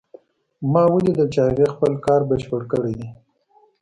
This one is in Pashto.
ما ولیدل چې هغې خپل کار بشپړ کړی ده